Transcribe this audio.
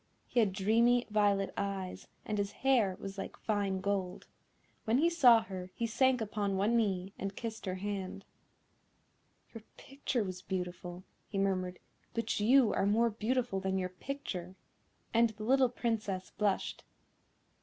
He had dreamy violet eyes, and his hair was like fine gold. When he saw her he sank upon one knee, and kissed her hand. "Your picture was beautiful," he murmured, "but you are more beautiful than your picture;" and the little Princess blushed.